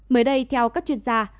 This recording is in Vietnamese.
mới đây theo các chuyên gia